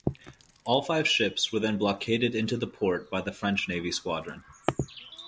All five ships were then blockaded into the port by the French Navy squadron.